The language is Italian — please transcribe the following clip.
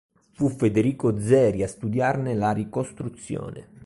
Fu Federico Zeri a studiarne la ricostruzione.